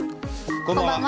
こんばんは。